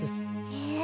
へえ。